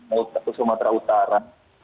atau sumatera utara